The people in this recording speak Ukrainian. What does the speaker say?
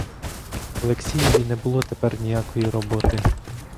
Олексієві не було тепер ніякої роботи.